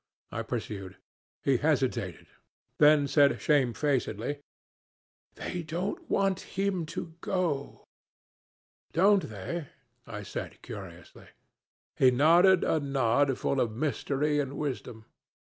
I pursued. He hesitated, then said shamefacedly, 'They don't want him to go.' 'Don't they?' I said, curiously. He nodded a nod full of mystery and wisdom.